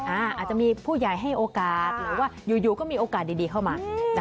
อาจจะมีผู้ใหญ่ให้โอกาสหรือว่าอยู่ก็มีโอกาสดีเข้ามา